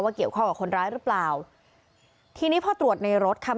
เกี่ยวข้องกับคนร้ายหรือเปล่าทีนี้พอตรวจในรถค่ะ